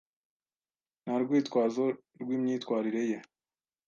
Nta rwitwazo rwimyitwarire ye.